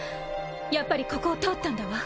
やっぱりここを通ったんだわ。